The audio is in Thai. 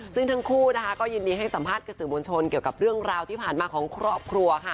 ซึ่งทั้งคู่นะคะก็ยินดีให้สัมภาษณ์กับสื่อมวลชนเกี่ยวกับเรื่องราวที่ผ่านมาของครอบครัวค่ะ